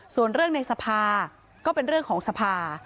ส่วนเรื่องในสภาก็เป็นเรื่องของสภา